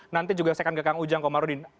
nanti juga saya akan ke kang ujang komarudin